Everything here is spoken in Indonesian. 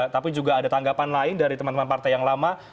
tapi juga ada tanggapan lain dari teman teman partai yang lama